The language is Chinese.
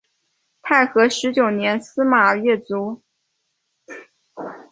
太和十九年司马跃卒。